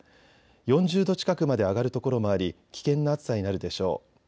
４０度近くまで上がる所もあり危険な暑さになるでしょう。